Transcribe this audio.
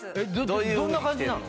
どんな感じなの？